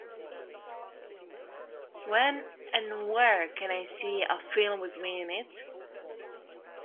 When and where can I see A Film with Me in It